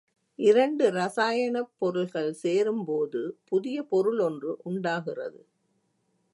இரண்டு ரசாயனப் பொருள்கள் சேரும்போது புதிய பொருள் ஒன்று உண்டாகிறது.